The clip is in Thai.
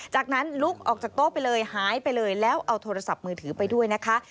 จากนั้นลุกออกจากโต๊ะไปเลยหายไปเลยแล้วเอาโทรศัพท์มือถือไปด้วยนะคะ